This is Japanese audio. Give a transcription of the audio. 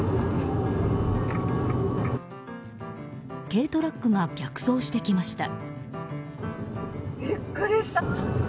軽トラックが逆走してきました。